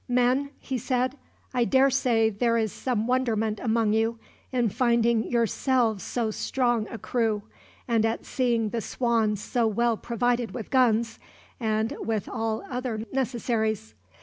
"Men," he said, "I dare say there is some wonderment among you, in finding yourselves so strong a crew, and at seeing the Swan so well provided with guns, and with all other necessaries.